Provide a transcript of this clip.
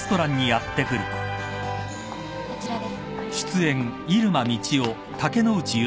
こちらです。